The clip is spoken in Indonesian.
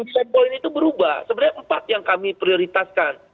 sebenarnya empat yang kami prioritaskan